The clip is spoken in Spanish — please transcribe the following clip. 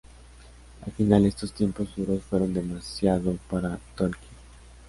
Al final estos tiempos duros fueron demasiado para Tolkki.